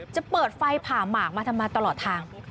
จะเปิดไฟผ่าหมากมาทำมาตลอดทาง